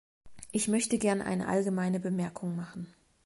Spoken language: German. Ich möchte gern eine allgemeine Bemerkung machen.